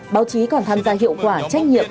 báo chí còn tham gia hiệu quả trách nhiệm